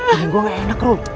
menyenggung enak rul